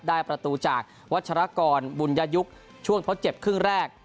ได้ประตูจากวัชรกรบุญญายุคช่วงทดเจ็บครึ่งแรก